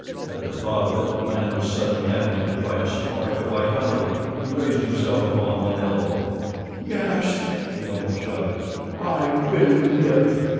At the thought of it the man was suddenly animated by a spark of vitality. He raised himself upon one elbow. "Yes," he almost shouted; "I will live.